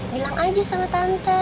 bilang aja sama tante